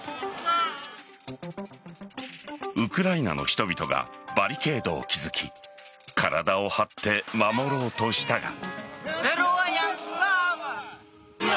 ウクライナの人々がバリケードを築き体を張って守ろうとしたが。